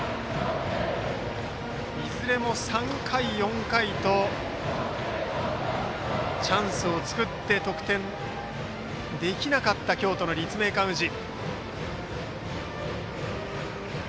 いずれも３回、４回とチャンスを作って得点できなかった京都の立命館宇治。